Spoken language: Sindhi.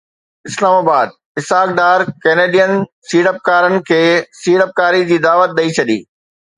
اسلام آباد: اسحاق ڊار ڪينيڊين سيڙپڪارن کي سيڙپڪاري جي دعوت ڏئي ڇڏي